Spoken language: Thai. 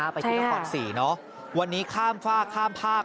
ใช่ค่ะไปจีนขอดสี่เนอะวันนี้ข้ามฝากข้ามภาค